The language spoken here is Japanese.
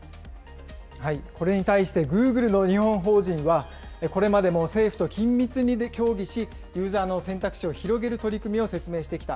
これに対してグーグルの日本法人は、これまでも政府と緊密に協議し、ユーザーの選択肢を広げる取り組みを説明してきた。